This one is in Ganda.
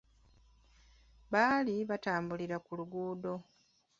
Baali batambulira ku luguudo.